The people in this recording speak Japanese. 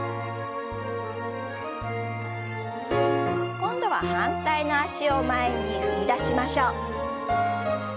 今度は反対の脚を前に踏み出しましょう。